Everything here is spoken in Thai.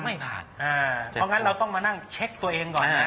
เพราะงั้นเราต้องมานั่งเช็คตัวเองก่อน